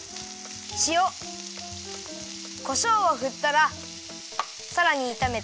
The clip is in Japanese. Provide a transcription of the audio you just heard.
しおこしょうをふったらさらにいためて。